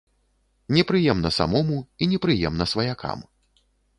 Непрыемна самому і непрыемна сваякам.